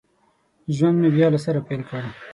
ژوند مې بیا له سره پیل کړ